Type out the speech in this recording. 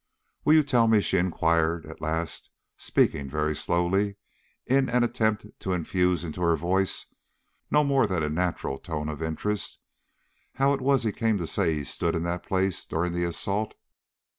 "Will you tell me," she inquired, at last, speaking very slowly, in an attempt to infuse into her voice no more than a natural tone of interest, "how it was he came to say he stood in that place during the assault?"